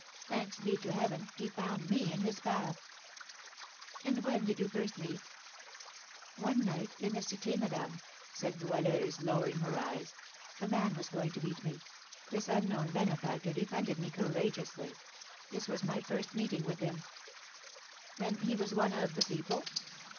Thanks be to Heaven, he found me in his path!" "And when did you first meet?" "One night, in the Cité, madame," said Goualeuse, lowering her eyes, "a man was going to beat me; this unknown benefactor defended me courageously; this was my first meeting with him." "Then he was one of the people?"